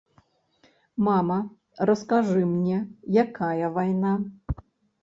Мама, раскажы мне, якая вайна.